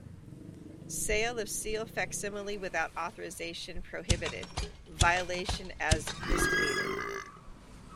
Sale of seal facsimile without authorization prohibited-Violation as misdemeanor.